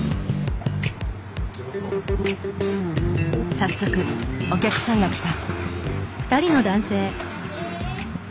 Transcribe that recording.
早速お客さんが来た。